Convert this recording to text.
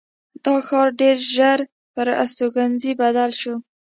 دا ښار ډېر ژر پر استوګنځي بدل شو.